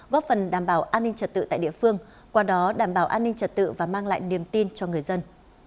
góp phần đảm bảo an ninh trật tự tại địa phương qua đó đảm bảo an ninh trật tự và mang lại niềm tin cho người dân